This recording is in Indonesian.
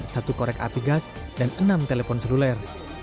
satu korek api gas dan enam telepon seluler